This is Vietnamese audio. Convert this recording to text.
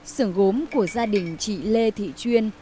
sưởng gốm của gia đình chị lê thị chuyên